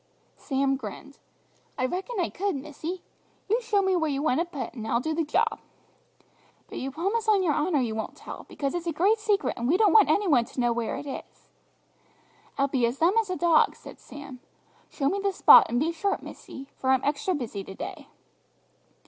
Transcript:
Sam grinned. "I reckon I could, missy. You show me where you want it put, and I'll do the job!" "But you promise on your honour you won't tell, because it's a great secret, and we don't want any one to know where it is." "I'll be as dumb as a dog," said Sam. "Show me the spot, and be sharp, missy, for I'm extra busy to day!"